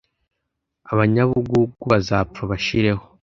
abanyabugugu bazapfa bashireho.